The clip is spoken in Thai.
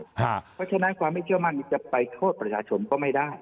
เพราะฉะนั้นความไม่เชื่อมั่นนี้จะไปโทษประชาชนก็ไม่ได้